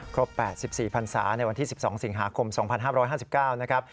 ๘๔พันศาในวันที่๑๒สิงหาคม๒๕๕๙นะครับ